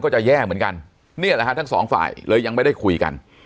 จะแย่เหมือนกันเนี่ยแหละฮะทั้งสองฝ่ายเลยยังไม่ได้คุยกัน